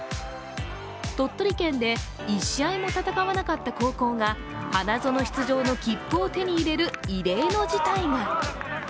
鳥取県で１試合も戦わなかった高校が花園出場の切符を手に入れる異例の事態が。